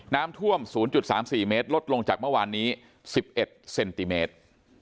น้ำท่วม๐๓๔เมตรลดลงจากเมื่อวานนี้๑๑เซนติเมตร